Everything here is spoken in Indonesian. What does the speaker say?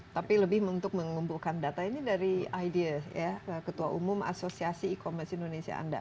tapi lebih untuk mengumpulkan data ini dari idea ya ketua umum asosiasi e commerce indonesia anda